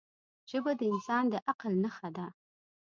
ژبه د انسان د عقل نښه ده